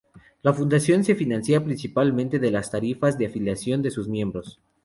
La Fundación se financia principalmente de las tarifas de afiliación de sus miembros.